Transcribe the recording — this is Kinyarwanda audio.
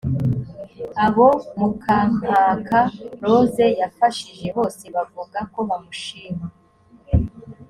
abo mukankaka rose yafashije bose bavuga ko bamushima